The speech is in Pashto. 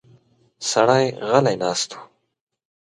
سړی غلی ناست و.